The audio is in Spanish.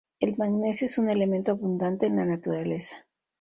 El magnesio es un elemento abundante en la naturaleza.